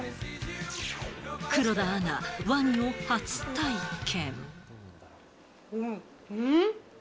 黒田アナ、ワニを初体験。